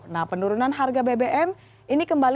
nah penurunan harga bbm ini kembali